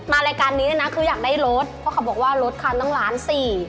มารายการนี้นะคืออยากได้ลดเค้าบอกว่าลดคันตั้งล้านสี่